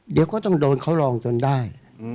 เดี๋ยวก็ต้องโดนเขาลองจนได้